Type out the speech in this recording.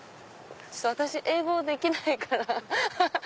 私英語できないからハハっ。